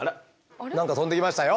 何か飛んできましたよ。